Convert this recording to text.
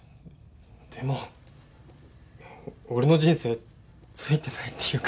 でも俺の人生ついてないっていうか。